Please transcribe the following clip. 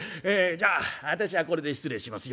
「じゃあ私はこれで失礼しますよ」。